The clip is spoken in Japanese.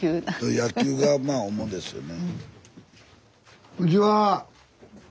野球がまあ主ですよね。